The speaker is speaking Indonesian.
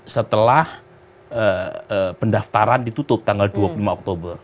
setelah pendaftaran ditutup tanggal dua puluh lima oktober